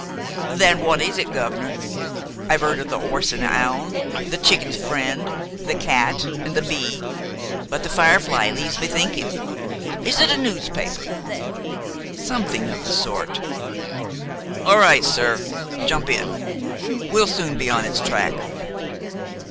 "Then w'at is it, guv'nor? I've heerd of the 'Orse an' 'Ound, the Chicken's Friend, the Cat, an' the Bee; but the Firefly leaves me thinkin'. Is it a noospaper?" "Something of the sort." "All right, sir. Jump in. We'll soon be on its track."